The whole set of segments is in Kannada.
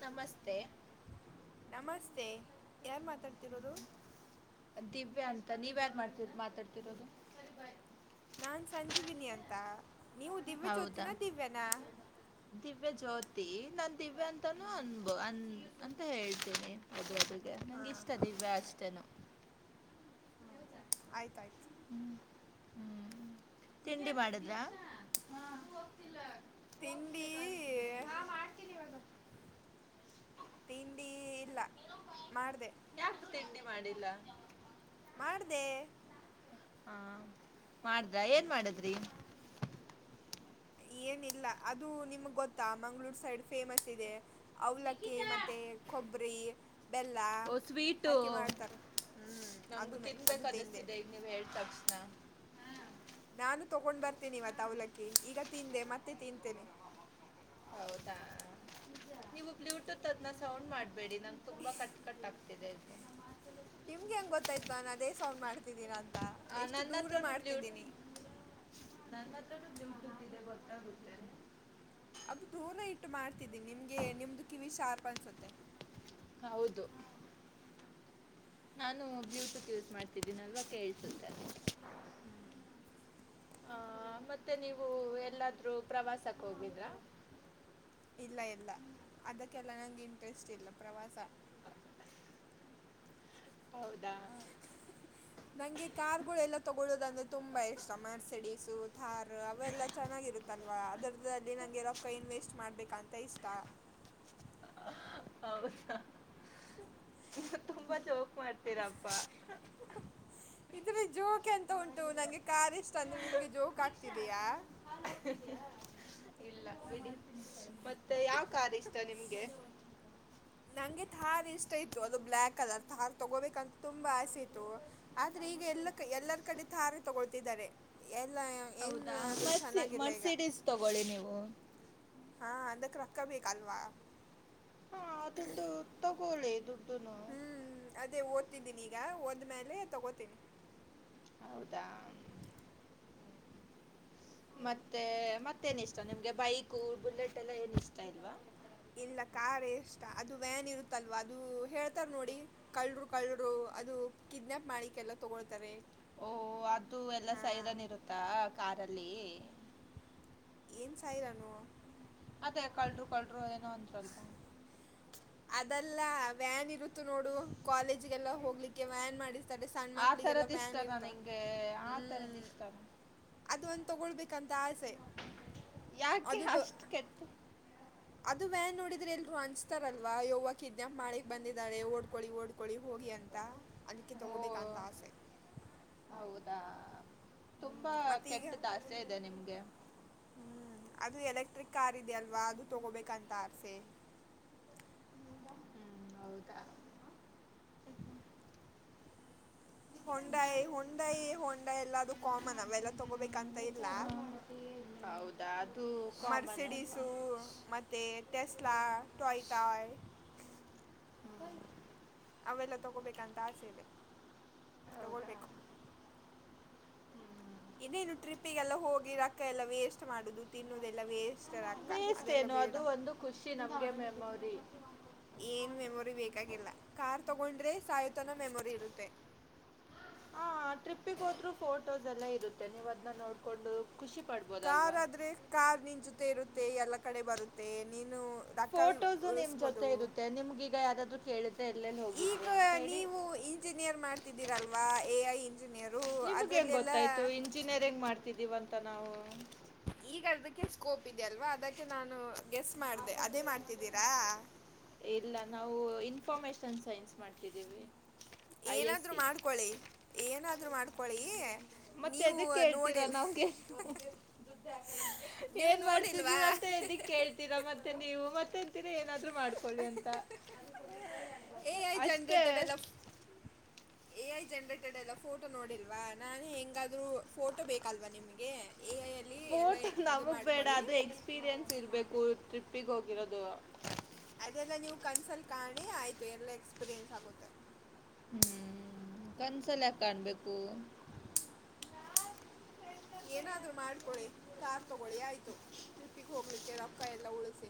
ನಮಸ್ತೆ ನಮಸ್ತೆ ಯಾರ್ ಮಾತಾಡ್ತಿರೋದು ದಿವ್ಯಾ ಅಂತ ನೀವ್ಯಾರ್ ಮಾಡ್ತಿರ ಮಾತಾಡ್ತಿರೋದು ನಾನ್ ಸಂಜೀವಿನಿ ಅಂತ ನೀವು ಹೌದಾ ದಿವ್ಯಜ್ಯೋತಿನ ದಿವ್ಯನ ನನ್ ದಿವ ಅಂತಾನೂ ಅನ್ಬೋ ಅ ಅಂತ ಹೇಳ್ತೇನಿ ಅದ ಅದ ನಂಗೆ ಹಾಂ ಇಷ್ಟ ದಿವ್ಯಾ ಅಷ್ಟೇನ ಹ್ಮ್ ಆಯ್ತಾಯ್ತು ಹ್ [unintelligible] ತಿಂಡಿ ಮಾಡುದ್ರಾ ತಿಂಡಿ ಹಾ ಮಾಡ್ತೀನಿವಾಗ ತಿಂಡಿ ಇಲ್ಲ ಮಾಡ್ದ ಯಾಕೆ ತಿಂಡಿ ಮಾಡಿಲ್ಲ ಮಾಡ್ದೆ ಹಾ ಮಾಡ್ದ ಏನ್ ಮಾಡದ್ರಿ ಏನಿಲ್ಲ ಅದು ನಿಮಗ್ ಗೊತ್ತಾ ಮಂಗ್ಳೂರ್ ಸೈಡ್ ಫೇಮಸ್ ಇದೆ ಅವಲಕ್ಕಿ ಮತ್ತೆ ಕೊಬ್ಬರಿ ಬೆಲ್ಲ ಓ ಸ್ವೀಟು ಹಾಕಿ ಮಾಡ್ತಾರೆ ಹ್ಞೂ ಅದು ನಂಗ್ ಮೆ ಅದು ತಿಂದೆ ತಿನ್ಬೇಕನಿಸ್ತಿದೆ ಈಗ ನೀವ್ ಹೇಳ್ತ ತಕ್ಷಣ ನಾನು ತಗೊಂಡ್ ಬರ್ತೇನಿವತ್ತು ಅವಲಕ್ಕಿ ಈಗ ತಿಂದೆ ಮತ್ತೆ ತಿಂತೇನೆ ಹೌದಾ ನೀವು ಬ್ಲೂಟೂತ್ ಅದ್ನ ಸೌಂಡ್ ಮಾಡ್ಬೇಡಿ ನಂಗೆ ತುಂಬಾ ಕಟ್ ಕಟ್ ಆ್ತ [inaudible] ನಿಮ್ಗೆ ಹೆಂಗ್ ಗೊತ್ತಾಯ್ತು ನಾನ ಅದೇ ಸೌಂಡ್ ಮಾಡ್ತಿದ್ದೀನ ಅಂತ ಎಷ್ಟು ದೂರ ಮಾಡ್ತಿದ್ದೀನಿ ನನ್ ಹತ್ರ ದುಡ್ಡು ದುಡ್ಡಿದೆ ಗೊತ್ತಾಗುತ್ತೆ ಅದು ತೂನ ಇಟ್ಟು ಮಾಡ್ತಿದ್ದೀನಿ ನಿಮ್ಗೆ ನಿಮ್ದು ಕಿವಿ ಶಾರ್ಪ್ ಅನ್ಸುತ್ತೆ ಹೌದು ನಾನು ಬ್ಲೂಟೂತ್ ಯೂಸ್ ಮಾಡ್ತಿದ್ದೀನಲ್ವಾ ಕೇೇಳಸುತ್ತೆ ಹ್ಮ್ ಹ ಹ ಮತ್ತೆ ನೀವು ಎಲ್ಲಾದ್ರೂ ಪ್ರವಾಸಕ್ಕೆ ಹೋಗಿದ್ರ ಇಲ್ಲ ಇಲ್ಲ ಅದಕ್ಕೆಲ್ಲ ನಂಗೆ ಇಂಟ್ರೆಸ್ಟ್ ಇಲ್ಲ ಪ್ರವಾಸ ಹೌದು ನಂಗೆ ಕಾರುಗಳು ಎಲ್ಲ ತಗೊಳ್ಳುದು [unintelligible] ತುಂಬಾ ಇಷ್ಟ ಮರ್ಸಿಡಿಸು ಥಾರ್ ಅವೆಲ್ಲಾ ಚೆನ್ನಾಗಿರುತ್ತಲ್ವಾ ಅದ್ರ [inaudible] ಹೌದಾ ತುಂಬಾ ಚೋಕ್ ಮಾಡ್ತೀರಪ್ಪ ಜೋ [inaudible] ಯಕೆ ಅಂತ ಉಂಟು ನಂಗೆ ಕಾರ್ ಇಷ್ಟ ಅಂದ್ರೆ ನಿಮ್ಗೆ ಜೋಕ್ ಆಗ್ತಿದಯಾ ಇಲ್ಲ ಬಿಡಿ ಮತ್ತೆ ಯಾವ ಕಾರು ಇಷ್ಟ ನಿಮ್ಗೆ ನಂಗೆ ತಾರ್ ಇಷ್ಟ ಇತ್ತು ಅದು ಬ್ಲ್ಯಾಕ್ ಕಲರ್ ತಾರ್ ತಗೋಬೇಕಂತ ತುಂಬಾ ಆಸೆ ಇತತ್ತು ಆದ್ರೆ ಈಗ ಎಲ್ಲ ಕ ಎಲ್ಲರ ಕಡೆ ಟಾರ್ ತಗೊಳ್ತಿದ್ದಾರೆ ಎಲ್ಲ ಏನು ಹೌದಾ ಅದು ಮರ್ಸಿ ಚೆನ್ನಾಗಿಲ್ಲ ಈಗ ಮರ್ಸಿಡೀಸ್ ತಗೊಳ್ಳಿ ನೀವು ಹಾ ಅದಕ್ ರೊಕ್ಕ ಬೇಕಲ್ವಾ ಹಾ ದುಡ್ಡು ತಗೊಳ್ಳೊಳ್ಳಿ ಹ್ಮ್ ಅದೇ ಓದ್ತಿದ್ದೀನಿ ಈಗ ನಾವು ಹೋದಮೇಲೆ ತಗೋತೀನಿ ಹೌದಾ ಮತ್ತೆ ಮತ್ತೇನ್ ಇಷ್ಟ ನಿಮ್ಗೆ ಬೈಕ್ ಬುಲ್ಲಟ್ ಎಲ್ಲ ಏನ್ ಇಷ್ಟ ಇಲ್ವಾ ಇಲ್ಲ ಕಾರ್ ಎಷ್ಟ ಅದು ವ್ಯಾನ್ ಇರುತ್ತಲ್ವಾ ಅದು ಹೇಳ್ತಾರ್ ನೋಡಿ ಕಳ್ಳರು ಕಳ್ಳರು ಅದು ಕಿಡ್ನ್ಯಪ್ ಮಾಡಲಿಕ್ಕೆಲ್ಲ ತೊಗೊಳ್ತಾರೆ ಓ ಅದು ಸೇರಿನೆಲೆ ಇರುತ್ತಲ್ಲ ಕಾರಿನಲ್ಲಿ ಏನು ಸೈರನ್ ಮತ್ತೇ ಕಳರು ಕಳ್ಳ ಅದೇನೋ ಒಂದಲ್ಪ ಅದೆಲ್ಲ ವ್ಯಾನ್ ಇರುತ್ತ ನೋಡು ಕಾಲೇಜ್ ಶಾಲೆಗೆ ಹೋಗಲಿಕ್ಕೆ ಆ ಮಕ್ಕಳಿಗೆ ತರದ ಇಷ್ಟನಾ ವ್ಯಾನಿರುತ್ತಲ್ಲ ನಿಂಗೆ ಆ ತರದ ಇಷ್ಟನಾ ಅದು ಒಂದು ತಗೊಳ್ಬೇಕಂತ ಆಸೆ ಯಾಕೆ ಅದು ಬ ಅಷ್ಟು ಕೆಟ್ಟ ಅದು ವ್ಯಾನ್ ನೋಡಿದ್ರೆ ಎಲ್ ಹಂಚ್ತಾರಲ್ವಾ ಯೋ್ ಕಿದ್ಞಂಪ್ ಮಾಡಿಕ್ ಬಂದಿದ್ದಾರೆ ಓಡ್ಕೊಳ್ಳಿ ಓಡ್ಕೊಳ್ಳಿ ಹೋಗಿ ಅಂತ ಅದಕ್ಕೆ ಓ ತಗೋಬೇಕಂತ ಆಸೆ ಹೌದಾ ಹ್ಞೂ, ತುಂಬಾ ಮತ್ತು ಈಗ ಕೆಟ್ಟ್ದ ಆಸೆ ಇದೆ ನಿಮ್ಗೆ ಹ್ಮ್, ಅದು ಎಲೆಕ್ಟ್ರಿಕ್ ಕಾರ್ ಇದೆ ಅಲ್ವಾ ಅದು ತಗೋಬೇಕಂತ ಆಸೆ ಹ್ಮ್ ಹೌದಾ ಹೊಂಡಾಯಿ ಹೊಂಡಾಯಿ ಹೊಂಡ ಎಲ್ಲದುೂ ಕಾಮನ್ ಅವೆಲ್ಲ ತಗೋಬೇಕಂತ ಇಲ್ಲ [inaudible] ಅದು ಕಾಮನ್ ಅಲ್ವಾ ಮರ್ಸಿಡೀಸು ಮತ್ತೆ ಎಸ್ಮಾ [unintelligible] ಟಯಟಾಯ ಅವೆಲ್ಲ ತಗೋಬೇಕಂತ ಆಸೇವೆ ಹೌದಾ ತಗೊಳ್ಬೇಕು ಇನ್ನೇನು ಟ್ರಿಪ್ಪಿಗೆಲ್ಲ ಹೋಗಿ ರೊಕ್ಕ ಎಲ್ಲ ವೇಸ್ಟ್ ಮಾಡುದು ತಿನ್ನುದೆಲ್ಲ ವೇಸ್ತದ ಅಕ್ಕ ವೇಸ್ಟ್ ಅದೆಲ್ಲ ಏನು ಬೇಡ ಅದು ಒಂದು ಖುಷಿ ನಮಗೆ ಮೆಮೊರಿ ಏನ್ ಮೆಮೊರಿ ಬೇಕಾಗಿಲ್ಲ ಕಾರ್ ತಗೊಂಡ್ರೆ ಸಾಯತನ ಮೆಮೊರಿ ಇರುತ್ತೆ ಹ ಟ್ರಿಪ್ಪಿಗೆ ಹೋದ್ರು ಫೋಟೋಸ್ ಎಲ್ಲ ಇರುತ್ತೆ ನೀವು ಅದನ್ನ ನೋಡ್ಕೊಂಡು ಖುಷಿ ಪಡ್ಬೋದಲ್ವಾ ಕಾರ್ ಆದ್ರೆ ಕಾರ್ ನಿನ್ ಜೊತೆ ಇರುತ್ತೆ ಎಲ್ಲಾ ಕಡೆ ಬರುತ್ತೆ ನಿನ್ [inaudible] ಫೋಟೋಸು ನಿಮ್ ಜೊತೆ ಇರುತ್ತೆ ನಿಮ್ಗೀಗ ಯಾವ್ದಾದ್ ಕೇಳಿದ್ರೆ ಎಲ್ಲೆಲ್ಲಿ ಈಗ ಹೋಗಿದ್ರಿ ಅಂತ ಹೇಳಿ ನೀವು ಇಂಜಿನಿಯರ್ ಮಾಡ್ತಿದ್ದೀರಲ್ವಾ ಎ ಐ ಇಂಜಿನಿಯರು ನಿಮ್ಗೆ ಅದ್ರಲ್ಲಿ ಹೆಂಗೆ ಎಲ್ಲ ಗೊತ್ತಾಯ್ತು ಇಂಜಿನಿಯರಿಂಗ್ ಮಾಡ್ತಿದ್ದೀವಿ ಅಂತ ನಾವು ಈಗ ಅದಕ್ಕೆ ಸ್ಕೋಪ್ ಇ ಅಲ್ವಾ ಅದಕ್ಕೆ ನಾನು ಗೆಸ್ ಮಾಡ್ದ ಅದೇ ಮಾಡ್ತಿದ್ದೀರಾ ಇಲ್ಲ ನಾವು ಇನ್ಫಾರ್ಮೇಶನ್ ಸೈನ್ಸ್ ಮಾಡ್ತಿದ್ದೀವಿ ಐ ಎಸ್ ಏನಾದ್ರು ಸಿ ಮಾಡ್ಕೊಳಿ ಏನಾದ್ರು ಮಾಡ್ಕೊಳಿ ಮತ್ತೆ ಅದಕ್ಕೆ ಹೇಳ್ತೀರಾ ನಾವ್ಗೆ ನೀವು ಏನ್ ನೋಡಿಲ್ವಾ ಮಾಡ್ತಿದ್ದೀರಾ ಅಂತ ಕೇಳಿದ್ರೆ ನೀವು ಮತ್ತೆ ಮಾಡ್ಕೊಳ್ಳಿ ಅಂತ ಎ ಐ ಅಷ್ಟೇ ಜನ್ರೇಟೆಡ್ ಎಲ್ಲ ಎ ಐ ಜನ್ರೇಟೆಡ್ ಎಲ್ಲ ಫೋಟೋ ನೋಡಿಲ್ವಾ ನಾನು ಹೆಂಗಾದ್ ಫೋಟೋ ಬೇಕಲ್ವಾ ನಿಮ್ಗೆ ಫೋರ್ಟ್ ನಮಗ್ ಬೇಡ ಅದು ಎಕ್ಸ್ಪೀರಿಯನ್ಸ್ ಇರ್ಬೇಕು ಟ್ರಿಪ್ಪಿಗೆ ಹೋಗಿರೋದು ಅದೆಲ್ಲ ನೀವು ಕನ್ಸಲ್ ಕಾಣಿ ಆಯ್ತು ಎಲ್ಲ ಎಕ್ಸ್ಪೀರಿಯನ್ಸ್ ಆಗುತ್ತೆ ಕನ್ಸಲ್ಯಾ ಕಾಣ್ಬೇಕು ಹ್ಮ [unintelligible] ಏನಾದ್ರು ಮಾಡ್ಕೊಳ್ಳಳಿ ಕಾರ್ ತಗೊಳ್ಳಿ ಆಯ್ತು ಟ್ರಿಪ್ಪಿಗೆ ಹೋಗ್ಲಿಕ್ಕೆ ರೊಕ್ಕ ಎಲ್ಲ ಉಳಿಸಿ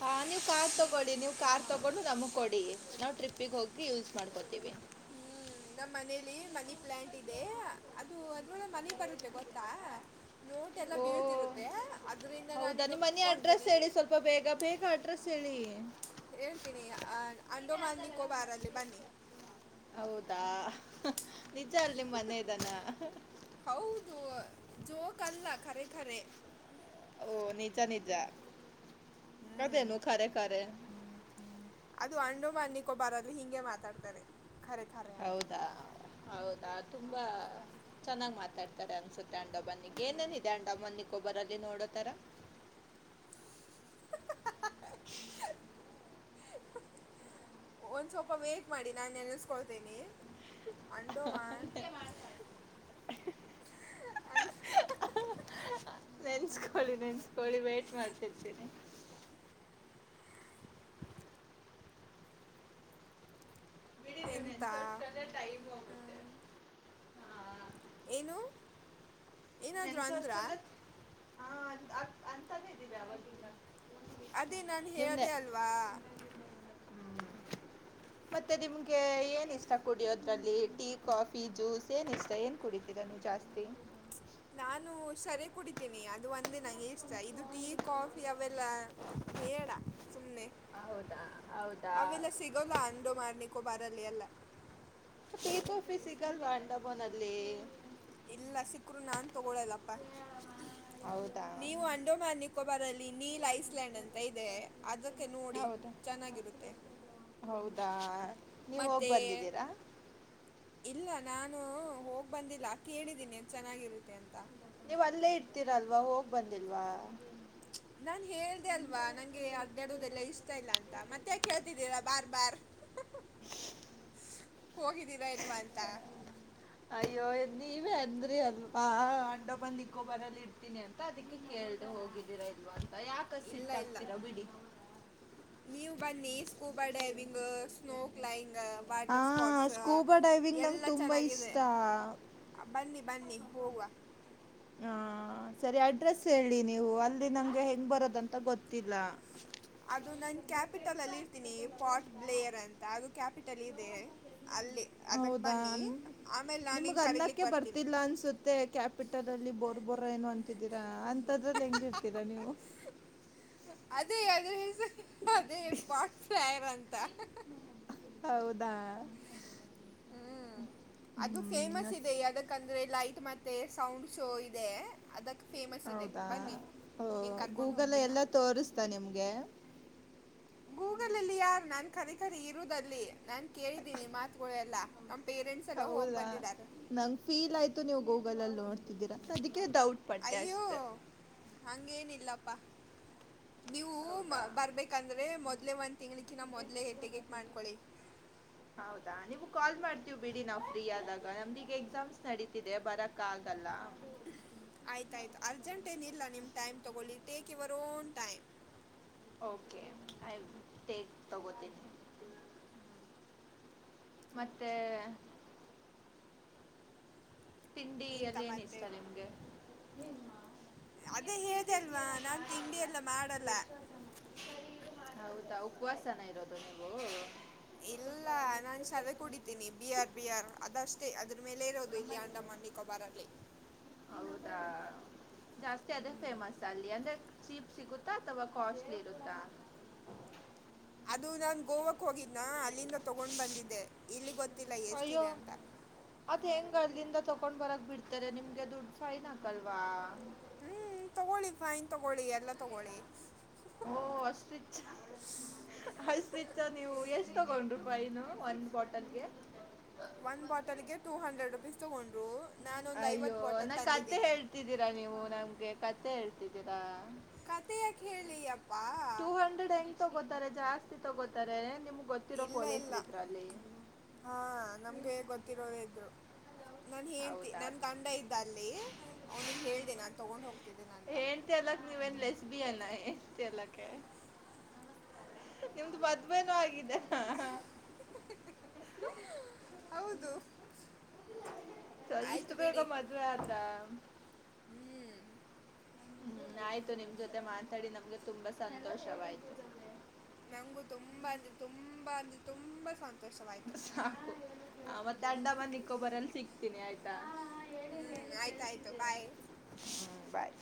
ಹಾ ನೀವು ಕಾರ್ ತಗೊಳ್ಳಿ ನೀವು ಕಾರ್ ತಗೊಂಡು ನಮಗ್ ಕೊಡಿ ನಾವು ಟ್ರಿಪ್ಪಿಗೆ ಹೋಗಿ ಯೂಸ್ ಮಾಡ್ಕೊತೀವಿ [inaudible] ಹ್ಮ್ ನಮ್ಮ್ ಮನೇಲಿ ಮನಿ ಪ್ಲಾಂಟ್ ಇದೆ ಅದು ಅದೋಳ ಮನಿ ಬರುತ್ತೆ ಗೊತ್ತಾ ನೋಟ್ ಎಲ್ಲ ಓ ಬೀಳುತ್ತಿರುತ್ತೆ ಅದ್ರಿಂದ ನಾನ ಹೌದಾ ಇನ್ನು ನಿಮ್ ಮನೆ ಕೊಡ್ತೀನಿ ಮಳ [unintelligible] ಹೇಳ್ತೀನಿ ಅ ಅಂಡೋಮಾನ್ ನಿಕೋಬಾರಲ್ಲಿ ಬನ್ನಿ ಹೌದಾ ನಿಜ ಅಲ್ಲಿ ನಿ ಮನೆ ಇದಾನ ಕಲ್ಲಖರೆಖರೆ ಓ ನಿಜ ನಿಜ ಹ್ಮ್ ಅದೇನು ಕರೆ ಕರೆ ಅದು ಅಂಡೊಮನ್ ಅನ್ನಿಕೊಬಾರದು ಹಿಂಗೆ ಮಾತಾಡ್ತಾರೆ ಖರೆ ಖರೆ ಅಂತ ಹೌದಾ ಹೌದಾ ತುಂಬಾ ಚೆನ್ನಾಗ್ ಮಾತಾಡ್ತಾರೆ ಅನ್ಸುತ್ತೆ ಅಂಡ ಬನಿಗೆ ಏನೇನಿದೆ ಅಂಡಮ್ಮನಿಗೆೊಬರಲ್ಲಿ ನೋಡೋದು ತರ ಹ್ಮ [unintelligible] ಒಂದ್ ಸ್ವಲ್ಪ ವೇಟ್ ಮಾಡಿ ನಾನ ನೆ ನಸ್ಕೊಳ್ತೇನಿ ಅಂಡಮಾನ್ ಅ [unintelligible] ಕಳಿ ನೆನ್ಸ್ಕೊಳ್ಳಳಿ ವೈಟ್ ಮಾಡ್ತಿರ್ತೀನಿ ಬಿಡಿ ನೀವು ಎಂತ ನೆನ್ಸೋಷ್ಟರಲ್ಲೇ ಟೈಮ್ ಹೋಗುತ್ತೆ ಹ್ಮ್ ಹಾಂ ಏನು ಏನಾದರೂ ನೆನ್ಸ ಅಂದ್ರಾ ಹಸ್ಟಲ್ಲ ಅವಾಗಿಂದ ಅದೇ ನಾನು ನಿಮ್ಮನ್ನೇ ಹೇಳ್ದೇ ಅಲ್ವಾ ನಿಮಗೆ ಏನು ಇಷ್ಟ ಕುಡಿಯೋದರಲ್ಲಿ ಟೀ ಕಾಫಿ ಜ್ಯೂಸ್ ಏನು ಇಷ್ಟ ಏನು ಕುಡಿತೀರ ನೀ ಜಾಸ್ತಿ ನಾನು ಸರಿ ಕುಡಿತೀನಿ ಅದು ಒಂದೇ ನಂಗೆ ಇಷ್ಟ ಇದು ಟೀ ಕಾಫಿ ಅವೆಲ್ಲ ಬೇಡ ಸುಮ್ನೆ ಹೌದಾ ಹೌದಾ ಅವೆಲ್ಲ ಸಿಗೋಲ್ಲ ಅಂಡೋ ಮಾರ್ನಕ್ಕೋಬಾರ ಲ್ಲಿ ಅಲ್ಲ ಟಿ ಕಾಫಿ ಸಿಗಲ್ವಾ ಅಂಡಮೋನಲ್ಲಿ ಇಲ್ಲ ಸಿಕ್ಕರು ನಾನ್ ತಗೊಳದಪ್ಪಾ ಹೌದಾ ನೀವು ಅಂಡೋಮಾನ್ ನಿಕೋಬಾರ್ ಅಲ್ಲಿ ನೀಲ್ ಐಸ್ಲ್ಯಾಂಡ್ ಅಂತ ಇದೆ ಅದಕ್ಕೆ ನೋಡಿ ಹೌದಾ ಚೆನ್ನಾಗಿರುತ್ತೆ ಹೌದಾ ನೀವುಹೋಗ್ ಮತ್ತು ಬಂದಿದ್ದೀರಾ ಇಲ್ಲ ನಾನು ಹೋಗ್ ಬಂದಿಲ್ಲ ಕೇಳಿದ್ದೀನಿ ಎ ಚೆನ್ನಾಗಿರುತ್ತೆ ಅಂತ ನೀವ್ ಅಲ್ಲೇ ಇಡ್ತೀರ ಅಲ್ವಾ ಹೋಗ್ ಬಂದಿಲ್ವಾ ನಾನು ಹೇಳ್ದೆ ಅಲ್ವಾ ನನಗೆ ರ ಬಾರ್ ಬಾರ್ [unintelligible] [unintelligible] ಹೋಗಿದ್ದೀರಾ ಇಲ್ವಾ ಅಂತ ಅಯ್ಯೋ ನೀವೇ ಅಂದ್ರಿ ಅಲ್ವಾ ಅಂಡೋ ಬಾರ್ ನಿಕೋಬಾರ್ ಅಲ್ಲಿ ರ್ಇಡ್ತೀನಿ ಅಂತ ಅದಕ್ಕೆ ಕೇಳ್ದು ಹೋಗಿದ್ದೀರಾ ಇಲ್ವ ಯಾಕ ಇಲ್ಲ ಇಲ್ಲ ಸಿಟ್ಟಾಗ್ತಿರ ಬಿಡಿ ನೀವು ಬನ್ನಿ ಸ್ಕೂಬಾ ಡೈವಿಂಗ್ ಸ್ನೋ ಕ್ಲೈಂಗ್ ಹ ವಾಟರ್ ಸ್ಪಾಟ್ಸ್ ಸ್ಕೂಬಾ ಡೈವಿಂಗ್ ಎಲ್ಲ ನನಗೆ ತುಂಬಾ ಚೆನ್ನಾಗಿದೆ ಇಷ್ಟ ಬನ್ನಿ ಬನ್ನಿ ಹೋಗುವ ಹಾ ಸರಿ ಅಡ್ರೆಸ್ ಹೇಳಿ ನೀವು ಅಲ್ಲಿ ನಮ್ಗೆ ಹೆಂಗ್ ಬರೋದಂತ ಗೊತ್ತಿಲ್ಲ ಅದು ನನ್ ಕ್ಯಾಪಿಟಲ್ ಅಲ್ಲಿ ಇರ್ತೀನಿ ಪಾಟ್ ಬ್ಲೇಯರ್ ಅಂತ ಅದು ಕ್ಯಾಪಿಟಲ್ ಇದೆ ಅಲ್ಲಿ ಅದಕ್ಕೆ ಹೌದಾ ಬನ್ನಿ ಆಮೇಲೆ ನಾನು ನಿಮಗ್ ಹಿಂಗೆ ಅನ್ನಕ್ಕೆ ಕರೀಲಿಕ್ಕೆ ಬರ್ತೀನಿ ಬರ್ತಿಲ್ಲ ಅನ್ಸುತ್ತೆ ಕ್ಯಾಪಿಟಲ್ ಅಲ್ಲಿ ಬೋರ್ ಬೋರ ಏನು ಅಂತಿದ್ದೀರಾ ಅಂತದ್ರಲ್ಲಿ ಹೆಂಗಿರ್ತೀರಾ ನೀವು ಅದೇ ಅದ ಅದೇ ಪಾಟ್ರಂತ [unintelligible] ಹೌದಾ ಹ್ಮ್ ಅದು ಫೇಮಸ್ ಇದೆ ಹ್ಮ್ ಯಾ್ದಕ್ಕಂದ್ರೆ ಲ ಮತ್ತೆ ಸೌಂಡ್ ಶೋ ಇದೆ ಅದಕ್ಕೆ ಫೇಮಸ್ ಇದೆ ಹೌದಾ ಬನ್ನಿ ಹ ನಿಂಗೆ ಕರ್ಕೊಂಡು ಗೂಗಲ್ ಹೋಗ್ತೀನಿ ಎಲ್ಲಾ ನಾನು ತೋರಿಸತ ನಿಮ್ಗೆ ಗೂಗಲ್ ಅಲ್ಲಿ ಯಾರು ನಾನು ಕರಿ ಕರಿ ಇರುದಲ್ಲಿ ನಾನು ಕೇಳಿದ್ದೀನಿ ಮಾತುಗಳು ಎಲ್ಲ ಹೋಗಿ ಹೌದಾ ಬಂದಿದ್ದಾರೆ ನಂಗ್ ಫೀಲ್ ಆಯ್ತು ನೀವು ಗೂಗಲ್ ಅಲ್ಲಿ ನೋಡ್ತಿದ್ದೀರಾ ಅದಕ್ಕೆ ಡೌಟ್ ಪಟ್ಟೆ ಅಯ್ಯೋ ಅಷ್ಟೆ ಹಂಗೇನಿಲ್ಲ ನೀವು ಹೌದಾ ಬರ್ಬೇಕಂದ್ರೆ ಮೊದ್ಲೇ ಒಂದು ತೆಂಗಳಕಿನ ಮೊದಲೇ ಟಿಕೆಟ್ ಮಾಡಿಕೊಳ್ಳಿ ಹೌದಾ ನೀವು ಕಾಲ್ ಮಾಡ್ತೀವಿ ಬಿಡಿ ನಾವ್ ಫ್ರೀ ಆದಾಗ ನಮ್ದಗ ಎಕ್ಸಾಮ್ಸ್ ನಡೀತಿದೆ ಬರಕ ಆಗಲ್ಲ ಆಯ್ತಾಯ್ತು ಅರ್ಜೆಂಟ್ ಏನಿಲ್ಲ ನಿಮ್ಮ್ ಟೈಮ್ ತಗೊಳ್ಳಿ take your own time okay okay take ತಗೊಣ್ತೀನಿ ಮತ್ತೆ [inaudible] ತಿಂಡಿ ಎಂತ ಅಲ್ಲಿ ಏನ್ ಇಷ್ಟ ಮತ್ತೆ ನಿಮ್ಗೆ [inaudible] ಅದೇ ಹೇಳದೆ ಅಲ್ವಾ ನಾನ್ ತಿಂಡಿ ಎಲ್ಲಾ ಮಾಡಲ್ಲ [inaudible] ಉಪವಾಸನಾ ಇರೋದು ನೀವು ಇಲ್ಲ ಸ್ವಲ್ಪ ಉದ್ದ ನಾನ್ ಕೆಲ್ಸ ಸಾರಾಯಿ ಮಾಡ್ತೀನಿ. ಕುೂಡಿದ್ದೀನಿ ಬಿ ಆರ್ ಬಿ ಆರ್ ಅದಷ್ಟೇ ಅದ ಮೇಲೆ ಇರೋದು ಇಲ್ಲಿ ನಮ್ಮನೇಲೆ ಅಂಡಮಾನ್ ನಿಕೋಬಾರಲ್ಲಿ ಹೌದಾ ಜಾಸ್ತಿ ಅದೇ ಫೇಮಸ್ ಅಲ್ಲಿ ಅಂದ್ರೆ ಚೀಪ್ ಸಿಗುತ್ತಾ ಅಥವಾ ಕಾಸ್ಟ್ಲಿ ಇರುತ್ತಾ [inaudible] [unintelligible] ಅದು ನಾನ್ ಗೋವಾಕ್ ಹೋಗಿದ್ನ ಅಲ್ಲಿಂದ ತಗೊಂಡ್ ಬಂದಿದ್ದೆ ಇಲ್ಲಿ ಗೊತ್ತ ಅಯ್ಯೋ ಅತ್ ಹೆಂಗೆ ಅಲ್ಲಿಂದ ತಕೊಂಡ್ ಬರಕ್ ಬಿಡ್ತಾರೆ ನಿಮ್ಗೆ ದುಡ್ಡು ಫೈನ್ ಹಾಕಲ್ವಾ ಹ್ಮ್ ತಗೊಳ್ಳಿ ಫೈನ್ ತಗೊಳ್ಳಿ ಎಲ್ಲ ತಗೊಳ್ಳಿ [inaudible] ಹ್ಮ [unintelligible] ಅಷ್ಟು ರಿಚ್ ನೀವು ಎಷ್ಟ ತಗೊಂಡ್ರರು ಫೈನ್ ಒಂದು ಬಾಟಲ್ ಗೆ [unintelligible] ಒಂದ್ ಬಾಟಲ್ ಗೆ ಟೂ ಹಂಡ್ರೆಡ್ ರುಪೀಸ್ ತಗೊಂಡ್ರು ಅಯ್ಯೋ ನ ಕಥೆ ಹೇಳ್ತಿದ್ದೀರಾ ನೀವು ನಮ್ಗೆ ಕಥೆ ಹೇಳ್ತಿದ್ದೀರಾ ಕಥೆ ಯಾಕೆ ಹೇಳಲಿ ಅಪ್ಪಾ ಟೂ ಹಂಡ್ರೆಡ್ ಹೆಂಗ್ ತಗೋತಾರೆ ಜಾಸ್ತಿ ತಗೋತಾರೆ [inaudible] ಇಲ್ಲ ಇಲ್ಲ ಪೊಲೀಸ್ರು ಇದ್ರಲ್ಲಿ ಹಾ ನಮ್ಗೆ ಗೊತ್ತಿರವ್ರೇ ಇದ್ರು ನಾನ್ ಹೆಂಡ್ತಿ ಹೌದಾ ನನ್ ಗಂಡ ಇದ್ದ ಅಲ್ಲಿ ಅವ್ನಿಗೆ ಹೇಳ್ದಿ ನಾನ ತಗೊಂಡ್ ಹೋಗ್ತಿದ್ದೀನಿ ಅಂತ [unintelligible] ನಿಮ್ದು ಮದ್ವೆನೂ ಆಗಿದೆ ಹೌದು ಸ ಇಷ್ಟು ಬೇಗ ಮದ್ವೆ ಆದ್ರ ಹ್ಮ್ ಹ್ಮ್ ಆಯ್ತು ನಿಮ್ ಜೊತೆ ಮಾತಾಡಿ ನಮ್ಗೆ ತುಂಬಾ ಸಂತೋಷವಾಯ್ತು ನಂಗು ತುಂಬಾ ಅಂದ್ರೆ ತುಂಬಾ ಅಂದ್ರೆ ತುಂಬಾ ಸಂತೋಷ ಸಾಕು ಮತ್ತೆ ಅಂಡಮನ ನಿಕೋಬಾರ್ ಅಲ್ಲಿ ಸಿಕ್ತೀನಿ ಆಯ್ತಾ ಹೇಳಿ ಹೇಳಿ ಹ್ಮ್ ಆಯ್ತ ಆಯ್ತು ಕೇಳಿಸ್ತಿದೆ ಬಾಯ್ ಹ್ಮ್ ಬಾಯ್